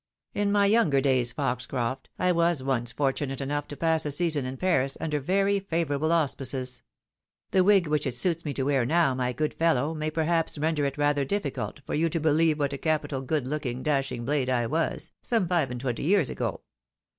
In my younger days, Foxcroft, I was once fortunate enough to pass a season in Paris under very favourable auspices. The wig which it suits me to wear now, my good fellow, may perhaps render it rather difficult for you to befieve what a capital good looldng, dashing blade I was, some five and twenty years ago.